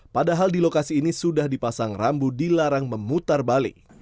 padahal di lokasi ini sudah dipasang rambu dilarang memutar balik